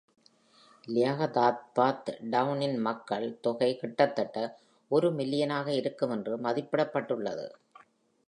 லியாகதாபாத் டவுனின் மக்கள் தொகை கிட்டத்தட்ட ஒரு மில்லியனாக இருக்கும் என்று மதிப்பிடப்பட்டுள்ளது.